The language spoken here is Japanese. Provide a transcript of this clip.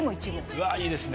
うわいいですね。